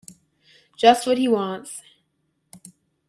Just what he wants.